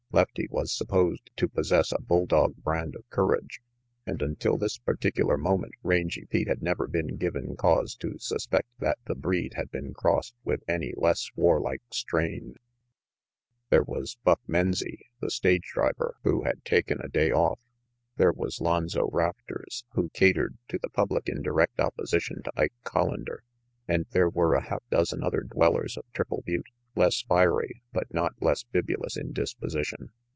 Lefty was supposed to possess a bull dog brand of courage, and until this particular moment Rangy Pete had never been given cause to suspect that the breed had been crossed with any less warlike strain. 20 RANGY PETE There was Buck Menzie, the stage driver who taken a day off; there was Lonzo Rafters, who catered to the public in direct opposition to Ike Collander; and there were a half dozen other dwellers of Triple Butte, less fiery but not less bibulous in disposition.